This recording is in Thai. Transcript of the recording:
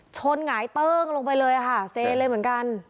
หงายเติ้งลงไปเลยค่ะเซเลยเหมือนกัน